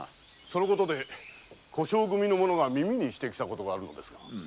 その事で小姓組の者が耳にしてきた事があるのですが。